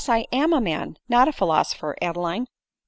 I am a man, not a philosopher, Adeline